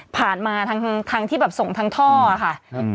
ผ่านมาทางที่แบบส่งทางท่อค่ะ